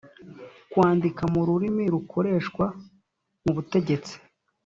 kwandika mu rurimi rukoreshwa mu butegetsi